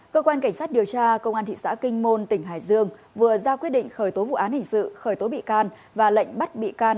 cơ quan cảnh sát điều tra công an thị xã kinh môn tỉnh hải dương vừa ra quyết định khởi tố vụ án hình sự khởi tố bị can và lệnh bắt bị can